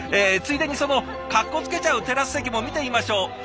ついでにそのカッコつけちゃうテラス席も見てみましょう。